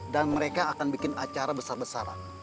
dan mereka akan bikin acara besar besaran